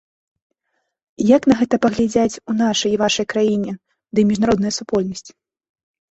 Як на гэта паглядзяць у нашай і вашай краіне ды міжнародная супольнасць?